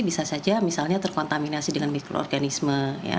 bisa saja misalnya terkontaminasi dengan mikroorganisme